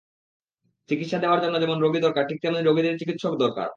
চিকিৎসা দেওয়ার জন্য যেমন রোগী দরকার, ঠিক তেমনিই রোগীদের চিকিৎসক দরকার।